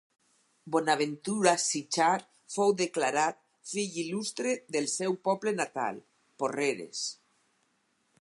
Bonaventura Sitjar fou declarat fill il·lustre del seu poble natal, Porreres.